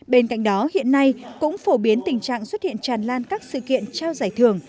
bên cạnh đó hiện nay cũng phổ biến tình trạng xuất hiện tràn lan các sự kiện trao giải thưởng